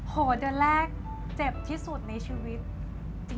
โหเดือนแรกเจ็บที่สุดในชีวิต